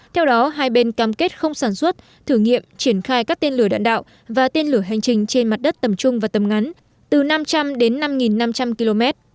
theo đó hai bên cam kết không sản xuất thử nghiệm triển khai các tên lửa đạn đạo và tên lửa hành trình trên mặt đất tầm trung và tầm ngắn từ năm trăm linh đến năm năm trăm linh km